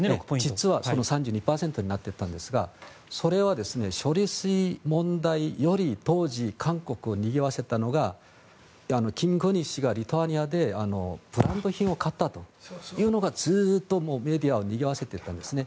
実は３２％になっていたんですがそれは処理水問題より当時、韓国をにぎわせたのがキム・ゴンヒ夫人がリトアニアでブランド品を買ったというのがずっとメディアをにぎわせていたんですね。